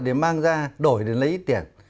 để mang ra đổi để lấy ít tiền